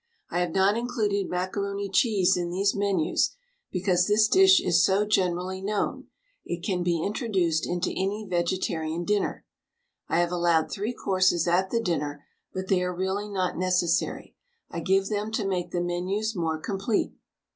I have not included macaroni cheese in these menus, because this dish is so generally known; it can be introduced into any vegetarian dinner. I have allowed three courses at the dinner, but they are really not necessary. I give them to make the menus more complete.